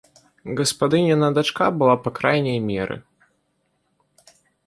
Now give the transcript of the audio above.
Гаспадыніна дачка была па крайняй меры!